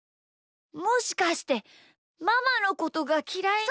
もしかしてママのことがきらいに。